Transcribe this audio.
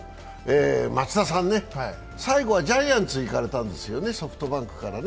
松田さんね、最後はジャイアンツに行かれたんですよね、ソフトバンクからね。